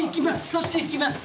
そっち行きます。